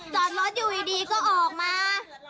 จอดรถอยู่ดีก็ออกมา